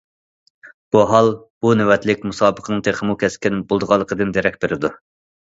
بۇ ھال بۇ نۆۋەتلىك مۇسابىقىنىڭ تېخىمۇ كەسكىن بولىدىغانلىقىدىن دېرەك بېرىدۇ.